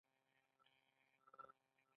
آیا تاسو کولی شئ هغه څه وپلورئ چې نلرئ